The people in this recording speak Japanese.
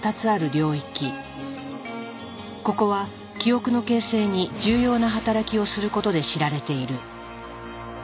ここは記憶の形成に重要な働きをすることで知られている。